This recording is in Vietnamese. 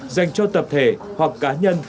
dành cho tập thể hoặc cá nhân